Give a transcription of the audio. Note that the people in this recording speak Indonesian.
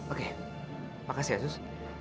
oke makasih ya sus